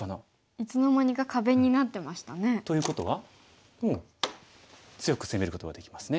いつの間にか壁になってましたね。ということはもう強く攻めることができますね。